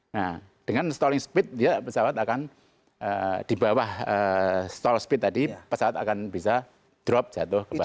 nah dengan stalling speed dia pesawat akan di bawah stall speed tadi pesawat akan bisa drop jatuh ke bawah